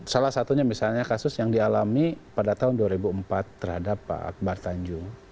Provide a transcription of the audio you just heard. salah satunya misalnya kasus yang dialami pada tahun dua ribu empat terhadap pak akbar tanjung